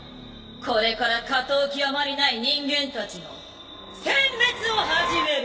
これから下等極まりない人間たちの選別を始める！